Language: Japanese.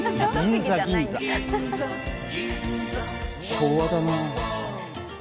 昭和だな。